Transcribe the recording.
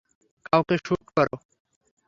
কাউকে শ্যুট করো।